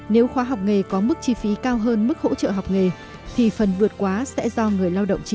nếu khóa học nghề có mức chi phí cao hơn mức hỗ trợ học nghề thì phần vượt quá sẽ do người lao động chi trả